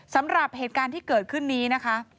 สำหรับเหตุการณ์ที่เกิดขึ้นนี้นะคะ